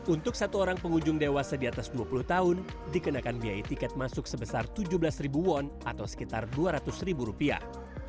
untuk satu orang pengunjung dewasa di atas dua puluh tahun dikenakan biaya tiket masuk sebesar tujuh belas ribu won atau sekitar dua ratus ribu rupiah